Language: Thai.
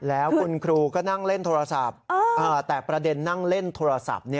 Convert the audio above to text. แล้วคุณครูก็นั่งเล่นโทรศัพท์แต่ประเด็นนั่งเล่นโทรศัพท์